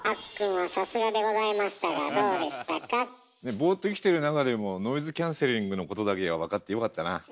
ボーっと生きてる中でもノイズキャンセリングのことだけは分かってよかったな。